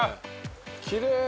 きれい。